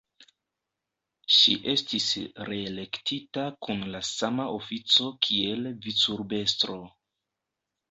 Ŝi estis reelektita kun la sama ofico kiel vicurbestro.